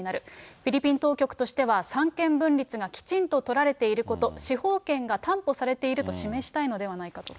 フィリピン当局としては三権分立がきちんと採られていること、司法権が担保されていると示したいのではないかと。